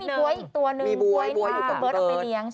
และก็มีบ๊วยอีกตัวหนึ่ง